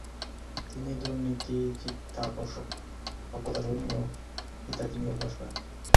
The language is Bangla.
তিনি দুর্নীতি, চিত্তাকর্ষক, অজ্ঞতা, ধর্মীয় কট্টরপন্থী ইত্যাদি নিয়ে উপহাস করেন।